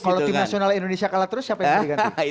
kalau tim nasional indonesia kalah terus siapa yang bisa ganti